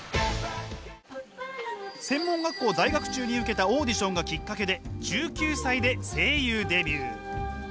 専門学校在学中に受けたオーディションがきっかけで１９歳で声優デビュー。